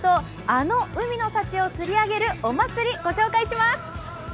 あの海の幸を釣り上げるお祭り、ご紹介します。